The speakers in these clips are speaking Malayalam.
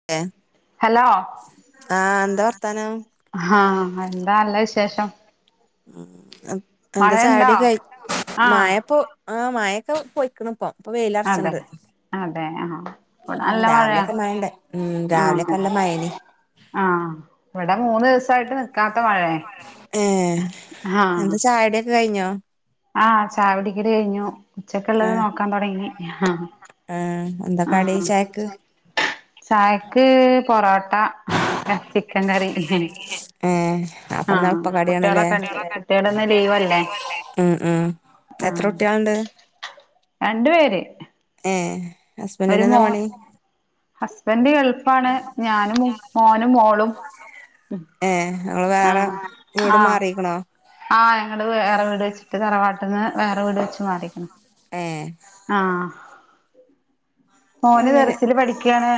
[inaudible] ഹലോ ആഹ് എന്താ വർത്താനം ആഹ എന്താ അല്ല വിശേഷം ഉ എന്താ ചാവിട മഴയുണ്ടോ ക ആഹ് മായപ്പ ആ് മായൊക്കെ പൊയ്ക്കണ ഇപ്പ ഇപ്പൊ അതെ വെയിലറച്ചണ്ട് അതെ ആഹ ഉ രാവിലെയൊക്കെ മയണ്ട ഉ രാവിലെയൊക്കെല്ല മഴന് ആഹ ഇവിടെ മൂന്ന് ദിവസ ആട്ട് നി കാത്ത മഴ ഏ എന്താ ചായടൊക്കെ കഴിഞ്ഞോ ആഹ ചവിടിക്കടി കഴിഞ്ഞു ഉച്ചക്ക ഉള്ളത് നോക്കാൻ തുടങ്ങി ആ എന്തൊക്ക ടി ആഹ് ചായക്ക് ചായക്ക് പൊറോട്ട ചിക്കൻ കറി ഏ അപ്പൊ ആഹ് തളപ്പ കാടിയണല്ലേ കുട്ടികളൊക്കെ ഉണ്ട് കുട്ടികളൊന്ന് ലീവല്ലേ ഉ ഉം എത്ര ആഹ് ഒൊട്ടികളുണ്ട് രണ്ടു പേര് ഏ ഒരു മോ ഹസ്ബൻഡ എളുഫാണ് ഞാനും മോനും മോ ഏ നമ്മൾ വേറെ ആഹ് വീട് ആഹ് മാറിരിക്കണോ ആഹ് ഞങ്ങള് വേറെ വീട് വെച്ചിട്ട് തറവാട്ട്ന്ന് വേറെ വീട് വെച്ച് മാറി എ ആഹ മോന് അങ്ങനെ തെർസില് പഠിക്കയാണ്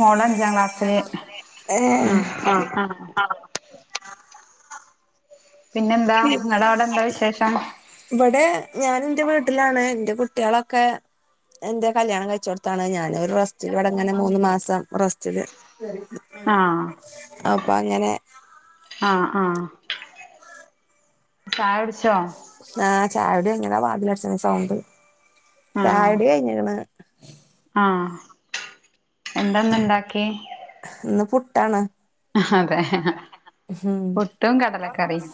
മോള അഞ്ചാം ക്ലാസ്സില് ഏ ആഹ് ആഹ് ആഹ പിന്നെന്താ നിങ്ങളുടെ അവിടെ എന്താ വിശേഷം ഇവിടെ ഞാൻ എന്റെ വീട്ടിലാണ് എന്റെ കുട്ടികളൊക്കെ എന്റെ കല്യാണം കഴിച്ച കൊടുത്താണ് ഞാനൻ ഒരു റസ്റ്റില് വടങ്ങനെ മൂന്ന്ു മാസം റസ്റ്റില് ആഹ് അപ്പൊ അങ്ങനെ ആഹ ആഹ ചായ വിടിച്ചോ ആഹ് ചായ കുടി കഴിഞ്ഞ് ചായകുടി കഴിഞ്ഞണ് ആഹ എന്താ ഇന്ന് ഇണ്ടാക്കി ഇന്ന് പുട്ടാണ് അതെ അ ഉം പുട്ടും കടലക്കറിം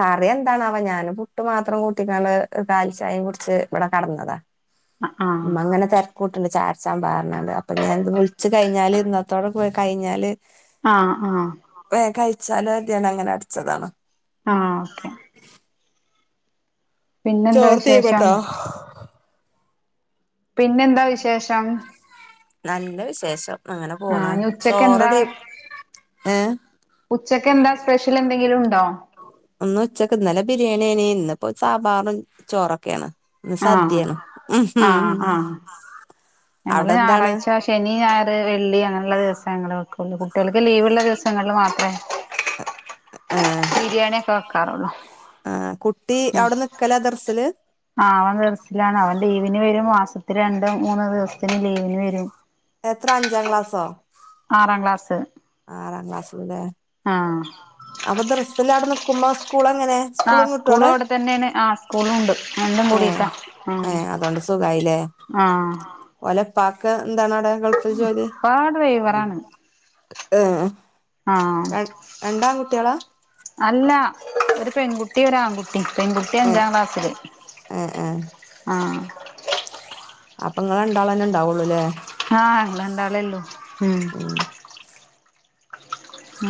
കറി എന്താണവാ ഞാനും പുട്ട് മാത്രം കുട്ടിക്കാണ്ട് കാലിച്ചായയും കൂട്ടി ഇവിടെ കെടന്നതാ ആഹ് ഉമ്മ അങ്ങനെ തെര കൂട്ട്ണ്ട് ചായ കുടിച്ചാൻ ബാ പർഞാണ് അപ്പെ ഞാൻ. ഇത് വിളിച്ച് കഴിഞ്ഞാല് ഇന്നത്തോടെ പോയി കഴിഞ്ഞാല് ആഹ് ആഹ് വേ കഴിച്ചാലോ കരുതി അങ്ങനെ അടിച്ചതാണ് ആഹ് ഓക്കെ പിന്നെന്താ ചോറ് വിശേഷം തീമട്ടേ പിന്നെന്താ വിശേഷം നല്ല വിശേഷം അങ്ങനെ ആ പോണ് ഇനി ചോറ് ഉച്ചക്കെന്താ തീ ഏഹ് ഉച്ചക്ക് എന്താ സ്പെഷ്യൽ എന്തെങ്കിലും ഉണ്ടോ ഒന്ന് ഉച്ചക്ക് ഇന്നല്ലെ ബിരിയാണിഎയ്നി ഇന്നപ്പോ സാബാറും ചോറൊക്കെയാണ് ഇന്ന് ആഹ് സദ്യആണ് ആഹ് ഉം ആഹ് ഞങ്ങള് അവിടെ എന്താണ് ഞായറാഴ്ച്ച ആ ശനി ഞായറ് വെള്ളി അങ്ങനെയുള്ള ദിവസങ്ങൾ വെക്കുള്ളൂ കുട്ടികൾക്ക് ലീവ ഉള്ള ദിവസങ്ങളിൽ മാത്രമേ ആഹ് ബിരിയാണിയ ഒക്കെ വെക്കാറുള്ളൂ ആഹ് കുട്ടി ഉം അവിടെ നിക്കലാ ദർസില് ആഹ് അവൻ ദർസിലാണ് അവൻ ലീവിന് വരും മാസത്തി രണ്ടോ മൂന്നോ ദിവസത്തിന് ലീവിന് വരും എത്ര അഞ്ചാം ക്ലാസ്സോ ആറാം ക്ലാസ് ആറാം ക്ലാസ് ല്ലേ ആഹ് അപ്പൊ ദർസിൽ അവിടെ നിൽക്കുമ്പോൾ സ്കൂൾ എങ്ങനെ ആ സ്കൂളും അവിടെ തന്നെയാണ് ആ സ്കൂളും ഉണ്ട് രണ്ടും ഏഹ് കൂടിട്ടാ ഏഹ് അതുകൊണ്ട് സുഖായില്ലേ ആഹ് ഓലെ ഉപ്പാക്ക് എന്താണ് അവിടെ ഗൾഫിൽ ജോലി ഉപ്പ അവിടെ ഡ്രൈവറാണ് ഏഹ് ആഹ് ര രണ്ടാൺകുട്ടികളാ അല്ല ഒരു പെൺകുട്ടി ട്ടി ഒര് ആൺ കുട്ടി പെൺകുട്ടി ഏഹ് അഞ്ചാം ക്ലാസിൽ ഏഹ് ഏഹ് ആഹ് അപ്പം ഇങ്ങൾ രണ്ടാളും തന്നെ ഉണ്ടാവുള്ളൂല്ലേ ആഹ് രണ്ടാൾ ഒള്ളൂ ഉം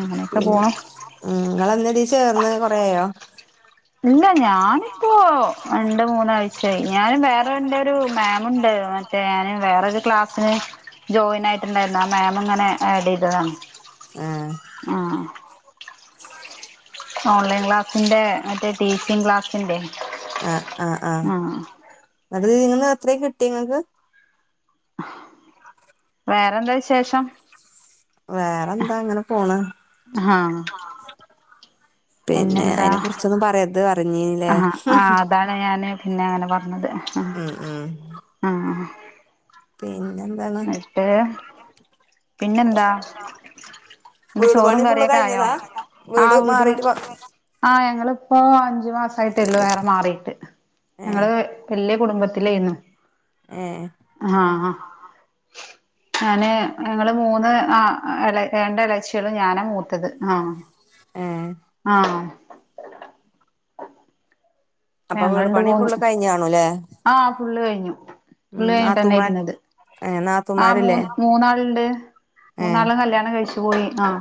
അങ്ങനെയൊക്കെ ഉം പോണു നിങ്ങൾ എന്നെ ഇതിൽ ചേർന്നത് കൊറയയോ ഇല്ല ഞാനിപ്പോ രണ്ട് മൂന്നാഴ്ചായി ഞാനും വേറെ എന്റെറെ ഒരു ഉണ്ട് മറ്റോ വേറെ ഒരു ക്ലാസിന് ചേയി നായി ണ്ടായിരുന്നു ആ മാം ഇങ്ങനെ ആഡ് ചെയ്തതാണ് ആഹ് ആഹ് ഓൺലൈൻ ക്ലാസ്സിന്റെ മറ്റേ ടീച്ചിങ് ക്ലാസ്സിന്റെ ആഹ് അ ഇത് നിങ്ങന്ന് എത്രയ കിട്ടി നിങ്ങൾക്ക് വേറെന്താ വിശേഷം വേറെന്താ ഇങ്ങനെ പോണ് ആഹ് പിന്നെ പിന്നെന്താ അയിനെ കുറിച്ചൊന്നും പറയാരത് പറഞ്ഞീല്ലേ ആഹ് ആഹ് അതാണ് ഞാന് പിന്നെ അങ്ങനെ പറഞ്ഞത് ആഹ് ഉം ഉം ആഹ് പിന്നെ എന്താണ് പിന്നെ എന്താ ന്റെ വീട് ചോറും പണി ഫുള്ള് കറിയൊക്കെ ആയോ കഴിഞ്ഞതാ ആഹ് വീട് മാറിട്ട് പണ് കൊ ആഹ് ഞങ്ങളിപ്പോ അഞ്ച് മാസയിട്ടിള്ളു വേറെ മാറിട്ട്, ഏഹ് ഞങ്ങള് വല്ല്യ കുടുംബത്തിലേന്നു. എഹ് ആഹ് ആഹാ ഞാന് ഞങ്ങള് മൂന്ന് ആഹ് എളെ രണ്ട് എളച്ചികളും ഞാനാ മൂത്തത്, ആഹ് എഹ് ആഹ് അപ്പൊ വീട് ഞങ്ങണ്ട് പണി പോന്നു ഫുള്ള് കഴിഞ്ഞ് കണുല്ലേ ആഹ് ഫുള്ള് കഴിഞ്ഞു. [unintelligible] കയിഞ്ഞിട്ടന്നെ നാത്തൂമാര് ഇരുന്നത് ഏഹ് ആഹ് മൂ നാത്തൂമാരില്ലേ മൂന്നാളിണ്ട്. ഏഹ് മൂന്നാളും കല്യാണം കഴിച്ചു പോയി, ആഹ്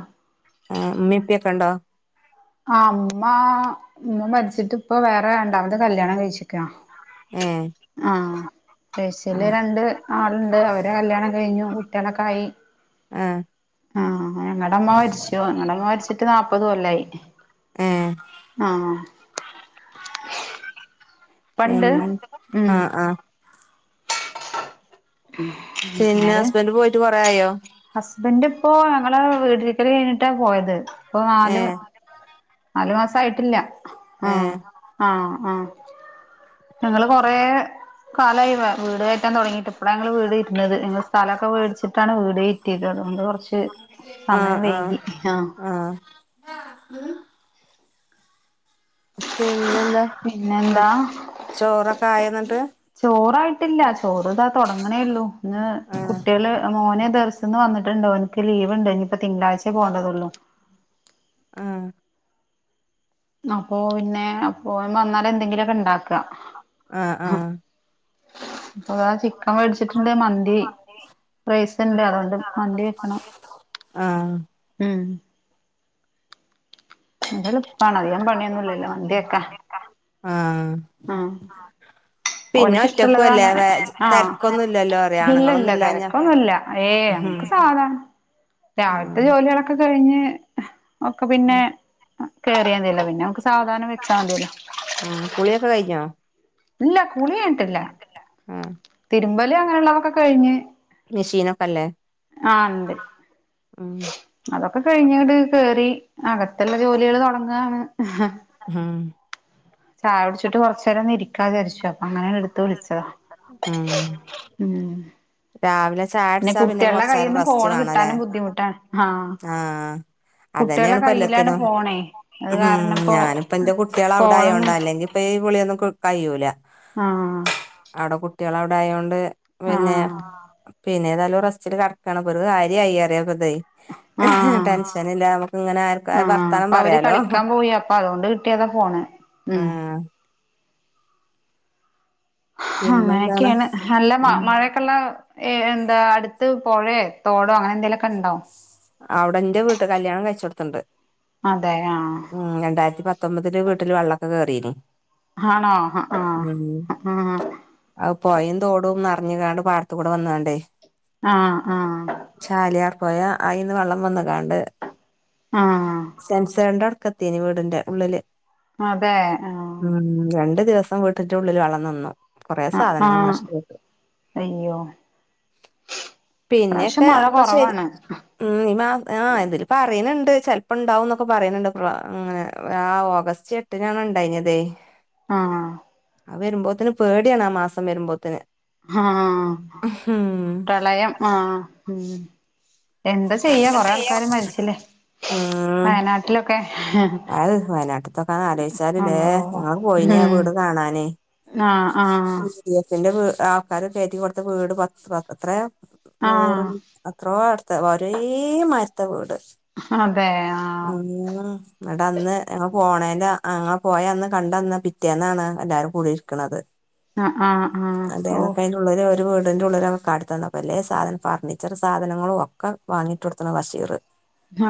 ഏ ഇമ്മി ഇപ്പയൊക്കെ ഒണ്ടോ? അമ്മ അമ്മ മരിച്ചിട്ട് ഇപ്പ വേറെ രണ്ടാമത് കല്യാണം കഴിച്ച്ക്കാ. എഹ് ആഹ് പേഷ്യല് രണ്ട് ആളുണ്ട്, അവരെ കല്യാണം കഴിഞ്ഞു, കുട്ടികളൊക്കെ ആയി. ആഹ് ആഹ് ഞങ്ങടെ അമ്മ മരിച്ചു, ഞങ്ങടെ അമ്മ മരിച്ചിട്ട് നാല്പത് കൊല്ലായി. ഏഹ് ആഹ് ഇപ്പണ്ട് പിന്നെ ഉം ആഹ് ആഹ് മ് പിന്നെ ഹസ്ബന്റ് പോയിട്ട് കൊറായോ? ഹസ്ബൻന്റ് ഇപ്പോ ഞങ്ങള് വീട്ടരിക്കല് കഴിഞ്ഞിട്ടാ പോയത്, ഇപ്പോ നാല് ഏഹ് നാലു മാസ ആയിട്ടില്ല, ആഹ് ഏഹ് ആണോ ആഹ് ഞങ്ങള് കൊറെ കാലായി വ വീട് കേ റ്റം തൊടങ്ങിയിട്ട് ഇപ്പളാ ഞങ്ങള് വീട് ഇരുന്നത്, ഞങ്ങൾ സ്ഥലൊക്കെ വേടിച്ചിട്ടാണ് വീട് കേറ്റിയത് അതുകൊണ്ട് കൊറച്ച് ആഹ് സമയം ആഹ് വൈകി ആഹ് പിന്നെന്താ? പിന്നെന്താ? ചോറൊക്കെ ആയോ എന്നിട്ട്? ചോറായിട്ടില്ല ചോറ് ഇതാ തൊടങ്ങണേയിള്ളൂ, ഇന്ന് ആഹ് കുട്ടികള് മോനെ ദർശ്ന്ന് വന്നിട്ടിണ്ട്, ഓൻക്ക് ലീവ്ണ്ട്, ഇനിയിപ്പോ തിങ്കളാഴ്ചേ പോകേണ്ടതുള്ളു. ആഹ് അപ്പോ പിന്നെ ഓൻ വന്നാല് എന്തെങ്കിലൊക്കെ ഇണ്ടാക്ക. ആഹ് ആഹ് ഇപ്പതാ ചിക്കൻ മേടിച്ചിട്ടിണ്ട്, മന്തി റൈസ് ഇണ്ട് അതുകൊണ്ട് മന്തി വെക്കണം. ആഹ് മ് എന്തെളിപ്പാണ് അധികം പണിയൊന്നും ഇല്ലല്ലോ മന്തിക്കെ. ആഹ് ആഹ് പിന്നെ ഓനക്ക് ഇഷ്ടമുള്ളത് ഒറ്റക്കുല്ലേ അങ്ങനെ വേ ആഹ് തെരക്കൊന്നും ഇല്ലല്ലോ കൊറേ ഇല്ല ഇല്ല ആണുങ്ങളൊന്നുംല്ലഞ്ഞ തിരക്കൊന്നുല്ല ഏയ് ഞമ്മക്ക് സാധാ രാവിലത്തെ ഉം ജോലികളക് ക്കെ കഴിഞ്ഞ് ഒക്കെ പിന്നെ കേറിയതില്ല പിന് ന്നെ നമുക്ക് സാവധാനം വെച്ചാ മതീയല്ലോ. മ് കുളിയക്ക കയിഞ്ഞോ? ഇല്ല കുളി കയിഞ്ഞിട്ടില്ല, ആഹ് തിരുമ്പല് അങ്ങനെയുള്ളതൊക്കെ കഴിഞ്ഞ് മെഷീനൊക്കെല്ലേ? ആഹ് ഇണ്ട്. ഉം അതൊക്കെ കഴിഞ്ഞ് ഇങ്ങ്ട് കേറി അകത്തുള്ള ജോലികള് തൊടങ്ങാണ്. മ് ചായ കുടിച്ചിട്ട് കൊറച്ച് നേരൊന്ന് ഇരിക്കാന്ന് വിചരിച്ചു അങ്ങനെ എടുത്ത് വിളിച്ചതാ ഉം ഉം രാവിലെ ചായ കുടിച്ചാ പിന്നെ കുട്ടികളുടെ കൊറച്ചേരം കയ്യിൽന്ന് റെസ്റ്റ് ഫോണ് വേണല്ലേ കിട്ടാനും ബുദ്ധിമുട്ടാണ് ആഹ് ആഹ്‌ കുട്ടികളെ അതന്നെയാണ് കയ്യിലാണ് ഇപ്പല്ലത്തിനും ഫോണേ അത് ഉം കാരണം ഇപ്പോ ഞാനിപ്പ എന്റെ കുട്ടികള് അവിടെ കോളൊന്നും ആയോണ്ടാ അല്ലെങ്കി പ്പ ഈ വിളിയൊന്നും കി കയൂല ആഹ് അവിടെ കുട്ടികള് അവിടെ ആയോണ്ട് പിന്നെ ആഹ് പിന്നെ തായാലും റസ്റ്റില് കടക്കാണ്‌ അപ്പൊരു കാര്യായി അറിയ ഇതേയ് ആഹ്‌ ആർക്ക ആഹ്‌ വർത്താനം അപ്പൊ അവര് പറയാലോ കളിക്കാൻ പോയി ഇപ്പൊ അതുകൊണ്ട് കിട്ടിയതാ ഫോണ് ഉം ആഹ്‌ പിന്നെന്താണ് അങ്ങനൊക്കെണ് നല്ല മ ഉം മഴക്കെള്ള ഏഹ്‌ എന്താ അടുത്ത് പൊഴേ തോടോ അങ്ങനെ എന്തേലൊക്കെ ഉണ്ടൊ അവിടെ ന്റെ വീട്ട് കല്യാണം കഴിച്ചോട്ത്ത്ണ്ട് അതെ ആഹ്‌ ഉം രണ്ടായിരത്തി പത്തൊമ്പതില് വീട്ടില് വെള്ളൊക്കെ കേറീനിം ആണോ അ ആഹ് അ ആഹ് അഹ്‌ പൊയേം തോടും നെറഞ്ങ്ങാണ്ട് പാടത്ത്കൂടെ വന്നാണ്ടേയ് ആഹ്‌ ആഹ്‌ ചാലിയാർ പൊയ അയിന്ന് വെള്ളം വന്ന്ങ്ങാണ്ട് ആഹ് സെൻസറിന്റെടു കത്തിയാണി വീടിന്റെ ഉള്ളില് അതെ ഉം ആഹ് രണ്ടു ദിവസം വി ത്തിൻ്റെ ഉള്ളില് വെള്ളം നിന്നു. കൊറേ സാധനങ്ങൾ ആഹ് നഷ്ടപ്പെട്ടു. അയ്യോ പിന്നെയൊക്കെ ഇപ്രാവശ്യം മഴ അപ്പ ശരി കൊറവാണ് ഉം ഈ മാ ആ ഇതില് പറയണുണ്ട് ചെലപ്പണ്ടാവും എന്നൊക്കെ പറയുന്നുണ്ട് പ്ര അങ്ങനെ ആ ആഗസ്റ്റ് എ ട്ടിനാണ് ഉണ്ടായിഞ്ഞതേ. ആഹ് അഹ്‌ വരുമ്പോത്തിന് പേടിയാണ് ആ മാസം വരുമ്പോത്തിന്. ആഹ് ഉം പ്രളയം ആഹ് ഉം എന്താ ചെയ്യാ കൊറേ ആൾക്കാര് മരിച്ചില്ലേ വയനാട്ടിലൊക്കെ. ആഹ് വയനാട്ട്ത്തൊക്കെ ആലോയ്ച്ചാലില്ലേ. അള്ളോ ഞങ്ങള് പോയിന് ആ ഉം വീട് കാണാനേയ് ആഹ് ആഹ് ഡി എഫിന്റെ വീ ആൾക്കാരൊക്കെ കയറ്റി കൊടുത്ത വീട് പത്ത് പ എത്രയാ നൂറ് ആഹ് അത്രോ അടുത്ത് ഒരേ മാര്ത്തെ വീട് അതെ ആഹ് ഊം ഇന്നിട്ടന്ന് ഞങ്ങള് പോണേന്റെ അങ്ങള് പോയ അന്ന് കണ്ട അന്ന് പിറ്റേന്നാണ് എല്ലാരും കൂടിരിക്കണത്. ആഹ് ആഹ് ആഹ് അതെ അപ്പ ഓഹ് അയ്ന്റെ ഉള്ളില് ഒരു വീടിന്റെ ഉള്ളിലോ കാട്ടി തന്നപ്പ ഇല്ലേ സാധനം ഫർണിച്ചർ സാധനങ്ങളും ഒക്കെ വാങ്ങിട്ടു കൊടുത്തേണ് ബഷീറ്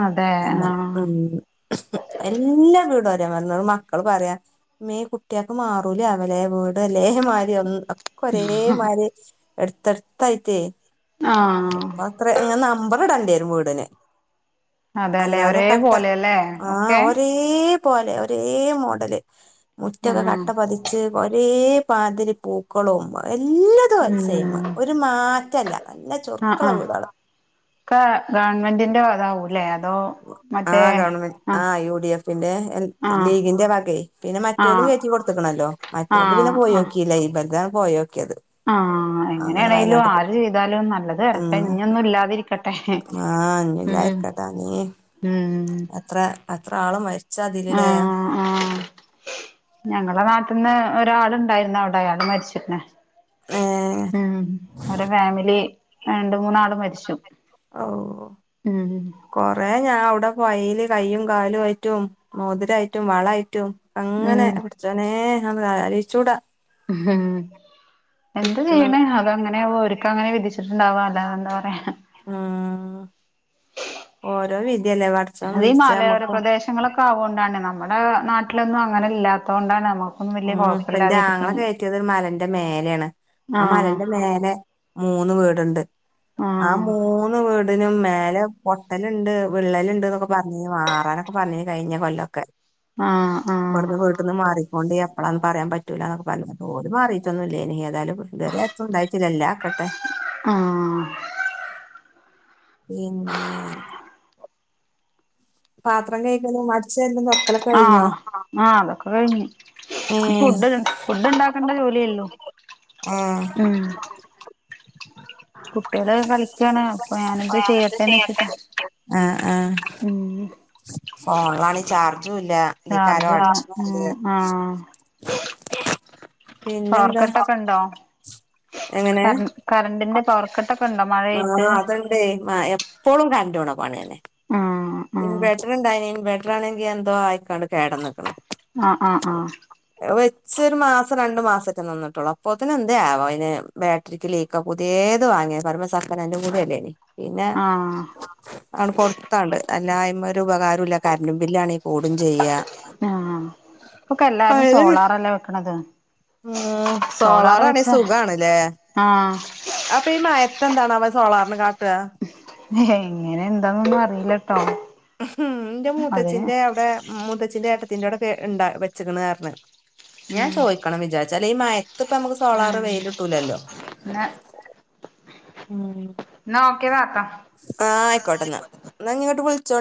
അതെ ആഹ് [unintelligible] ഉം എല്ലാ വീട് ഒരേ മ [unintelligible] ന്നിട്ട് മക്കള് പറയാ ഇമ്മേ കുട്ടികൾക്ക് മാറൂലേ ആവലെ വീ ഒലേമാരി ഒന്ന് ഒക്കെ ഒരേമാരി എടുത്തടുത്തായിട്ടേയ് ആഹ് അപ്പ അത്ര അങ്ങനെ നമ്പർ ഇടണ്ടി വരും വീടിന്. അതെല്ലേ ഒരേപോലെയല്ലേ. ആഹ് ഒരേ പോലെ ഒരേ മോഡല് ഉം മുറ്റൊക്കെ കട്ട പതി ച്ച് ഒരേ മാതിരി പൂക്കളും എല്ലാ [unintelligible] സെയിമ് ഉം ഒരു മാറ്റല്ല നല്ല ചൊറുക്കുള്ള വീടുകള്. ക്കെ ഗവൺമെൻ്റിന്റെ വക ആവൂലേ അതോ? മറ്റേ ആഹ്‌ ഗവൺമെന്റ് ആ ആഹ് യു ഡി എഫിന്റെ എൽ ആഹ് ലീഗിന്റെ വകെയ് പിന്നെ മറ്റോലും ആഹ് കയറ്റി കൊടുത്ത്ക്കണല്ലോ. മറ്റോൽത് പിന്നെ ആഹ് പോയി നോക്കിയില്ല ഇബൽതാണ്‌ പോയി നോക്കിയത്. ആഹ്‌ എങ്ങനാണേലും ആര് ചെയ്താലും നല്ലത് വരട്ടെ ഇഞ്ഞൊന്നും ഇല്ലാതിരിക്ക ആഹ് ഇഞ്ഞൂം ഇല്ലാതിരിക്കട്ടെ ആമീൻ ഉം എത്ര എത്ര ആള് മരിച്ചതിലല്ലേ. ഞങ്ങടെ നാട്ടിൽന്ന് ഒരാളുണ്ടായിരുന്നു അവിടെ അയാള് മരിച്ചക്കണ്. നേ ഉം അവരുടെ ഫാമിലി രണ്ടു മൂന്നാള് മരിച്ചു. ഓ ഉം കൊറേ ഞാൻ അവിടെ വഴിയില് കയ്യും കാലും ആയിട്ടും മോതിരമായിട്ടും വളയായിട്ടും അങ്ങനെ ഉം പടച്ചോനെ അത് ആലോചിച്ചൂടാ. ഉം എന്താ കിട്ടണത് ചെയ്യണേ അത് അങ്ങനെയാവും ഓരിക്ക് അങ്ങനെ വിധിച്ചിട്ടുണ്ടാവാ. അല്ലാതെ എന്താ പറയാ. ആഹ് ഓരോ വിധിയല്ലേ പട അത് ഈ മലയോര പ്രദേശങ്ങളൊക്കെ ആവോണ്ടാണേ. നമ്മുടെ നാട്ടിലൊന്നും അങ്ങനെ ഇല്ലാത്ത കൊണ്ടാണ് നമുക്ക് ഉം ഇപ്പൻ്റെ ആങ്ങളെ കയറ്റിയത് മലന്റെ മേലെയാണ്. ആ ആഹ് മലന്റെ മേലെ മൂന്ന് വീടുണ്ട്. ആ ആഹ് മൂന്ന് വീടിനും മേലെ പൊട്ടലുണ്ട് വിള്ളലുണ്ട് എന്നൊക്കെ പറഞ്ഞ് മാറാനൊ പറഞ്ഞേനി കഴിഞ്ഞ കൊല്ലം ഒക്കെ. ആഹ് ആഹ് ഇവിടുന്ന് വീട്ടന്ന് മാറി കൊണ്ട് എപ്പളാന്ന് പറയാൻ പറ്റൂല എന്നൊക്കെ പറഞ്ഞ് ഓല് മാറിയേട്ടൊന്നും ഇല്ലേനി. ഏതാലും ഇതുവരെ ത്തും ഉണ്ടായിട്ടില്ല ഇല്ലാതക്കട്ടെ ആഹ് പിന്നെ പാത്രം കഴിക്കലും അടിച്ച വരലും തോടകളു ആഹ ആഹ അതൊക്കെ കഴിഞ്ഞു ഏഹ് ഫുഡ് ഫുഡ് ഉണ്ടാക്കേണ്ട ജോലി യേ ള്ളു ആഹ [inaudible] കുട്ടികള് കളിക്കാണ് അപ്പൊ ഞാനെന്ത് ആ അത് ചെയ്യട്ടെന്ന് ചെയട്ടാ വെച്ചിട്ടാ [unintelligible] ആഹ ആഹ ഉം ഫോൺലാണെ ചാർജും ഇല്ല ഇതിക്കാരോ അട് ചാർജില്ല ച്ച് ണുണ്ട് ഉം [inaudible] ആഹ് പാർക്കെട്ടൊക്കെ ഇണ്ടോ ക എങ്ങനെ കറണ്ടിന്റെ പവർ കട്ടൊക്കെണ്ടോ മഴായിട്ട് എ മ എപ്പോഴും കറന്റ്പോണോ പണി തന്നെ ആഹ് ആഹ് ഇൻവെർട്ടർ ഉണ്ടായിന് ഇൻവെർട്ടർ ആണെങ്കി എന്തോ ആയിക്കാണ്ട് കേട ന്ന് ക്ക്ണ് ആ ആഹ ആഹ വെച്ചൊരു മാസം രണ്ടു മാസം ഒക്കെ നിന്നിട്ടുള്ളൂ അപ്പൊത്തിന് എന്തയാവോ അതിന് ബ ബേ ട്രിക്ക് ലീക്കാ പുതിയേത് വാങ്ങിയ പറയ്മ്പം സെകനൻ്റു ങ്കൂടിയല്ലേ നി പിന്നെ ആഹ് ആണ് കൊടുത്താണ്ട് അല്ലാ അയ്മ ഒരു ഉപകാരോല്ല കറന്റ് ബില്ലാണെ കൂടും ചെയ്യ ആഹ ഇപ്പൊക്കെല്ലാരും സോളാർ അല്ലെ വെക്കണത് ഉം സോളാർ സോളാറാണെ വെച്ച സുഖണല്ലേ ആഹ് അപ്പൊ ഈ മഴയത്ത് എന്താണാവോ സോളാറിന് കാട്ടുക. ഹെ എങ്ങനെ എന്താന്നൊന്നും അറിയില്ലട്ടോ ഉ ഇന്റെ അതിന് മൂത്തച്ഛിന്റെ അവിടെ മൂത്തച്ച്ചിന്റെ ഏട്ടത്തിന്റെ അവിടെക്കെ ഇണ്ട വെച്ചക്കണ് അർ ഞ്ഞ് ഞാൻ ഉം ചോയ്ക്കണം വിചാരിച്ച് അല്ലേ ഈ മയത്ത് ഇപ്പ നമ്മുക്ക് ഉം സോളാർ വെയിലിട്ടൂലല്ലോ ന്നാ ഉം എന്നാ ഒക്കെ താത്താ ആഹ് ആയിക്കോട്ടെ എന്നാ എന്നാ ഞ്ഞി ഇങ്ങോട്ട് വിളിച്ചോണ്ട്